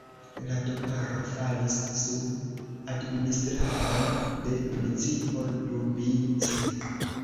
La domaro falis sub administradon de municipo Doubice.